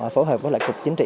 phối hợp với lại cục chính trị